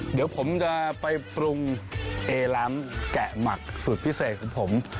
เดี๋ยวผมจะไปปรุงเอล้ำแกะหมักสูตรพิเศษของผม